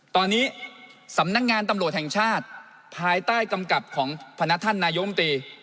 ตอนนี้สำนักงานตำรวจแห่งชาติภายใต้กำกับของพนักท่านนายมตรี